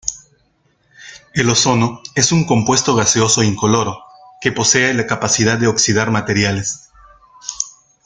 El ozono es un compuesto gaseoso incoloro, que posee la capacidad de oxidar materiales.